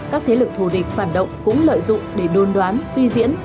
các thế lực thù địch phản động cũng lợi dụng để đôn đoán suy diễn